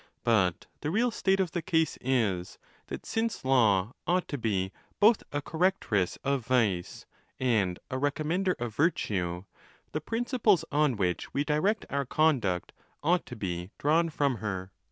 But the real state of the case is, that since law ought to be both a correctress of vice and a recommender of virtue, the principles on which we direct our conduct ought to be drawn from her.